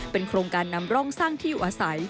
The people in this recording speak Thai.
โครงการนำร่องสร้างที่อยู่อาศัย